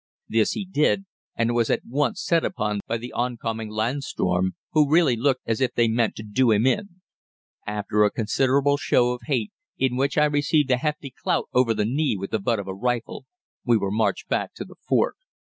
This he did, and was at once set upon by the oncoming Landsturm, who really looked as if they meant to do him in. After a considerable show of hate, in which I received a hefty clout over the knee with the butt of a rifle, we were marched back to the fort.